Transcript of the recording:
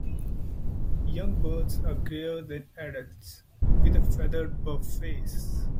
Young birds are greyer than adults, with a feathered buff face.